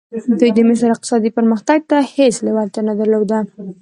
دوی د مصر اقتصادي پرمختګ ته هېڅ لېوالتیا نه درلوده.